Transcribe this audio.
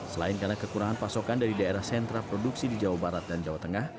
selain karena kekurangan pasokan dari daerah sentra produksi di jawa barat dan jawa tengah